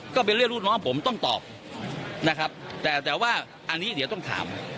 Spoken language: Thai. ก็เป็นเรื่องลูกน้องผมต้องตอบนะครับแต่แต่ว่าอันนี้เดี๋ยวต้องถาม